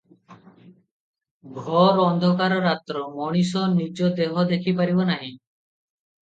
ଘୋର ଅନ୍ଧକାର ରାତ୍ର, ମଣିଷ ନିଜ ଦେହ ଦେଖିପାରିବ ନାହିଁ ।